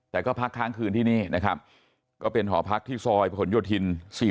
แต่ก็พักค้างคืนที่นี่นะครับก็เป็นหอพักที่ซอยประหลโยธิน๔๔